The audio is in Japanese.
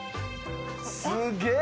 すげえ！